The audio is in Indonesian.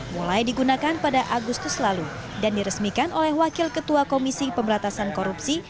mulai digunakan pada agustus lalu dan diresmikan oleh wakil ketua komisi pemberatasan korupsi